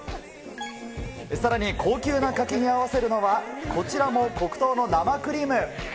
さらに高級な柿に合わせるのは、こちらも黒糖の生クリーム。